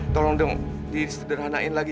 tolong dong disederhanain lagi